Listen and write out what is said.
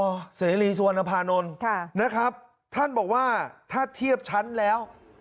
เสรีสุวรรณภานนท์ค่ะนะครับท่านบอกว่าถ้าเทียบชั้นแล้ว